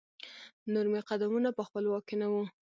نور مې قدمونه په خپل واک کې نه وو.